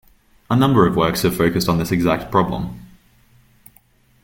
A number of works have focused on this exact problem.